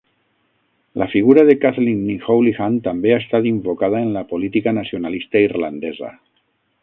La figura de Kathleen Ni Houlihan també ha estat invocada en la política nacionalista irlandesa.